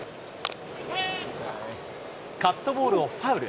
カットボールをファウル。